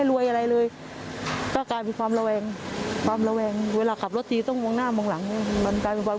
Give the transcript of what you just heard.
เวลาขับรถตีต้องมองหน้ามองหลังมันกลายเป็นปลอดภัย